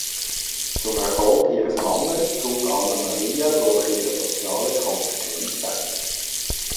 Zum Erfolg ihres Mannes trug Anna Maria durch ihre soziale Kompetenz bei.